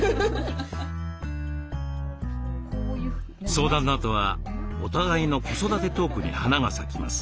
相談のあとはお互いの子育てトークに花が咲きます。